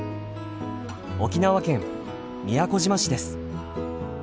沖縄県宮古島市です。